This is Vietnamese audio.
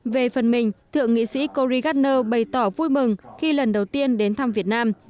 về phần mình thượng nghị sĩ corey gardner bày tỏ vui mừng khi lần đầu tiên đến thăm việt nam